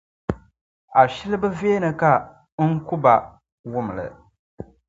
Ashili bi veeni ka 'N-ku-ba' wum li.